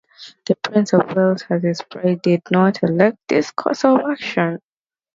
The Prince of Wales and his bride did not elect this course of action.